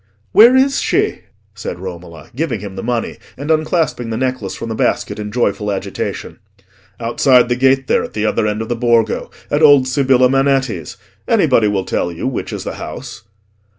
"Where is she?" said Romola, giving him the money, and unclasping the necklace from the basket in joyful agitation. "Outside the gate there, at the other end of the Borgo, at old Sibilla Manetti's: anybody will tell you which is the house."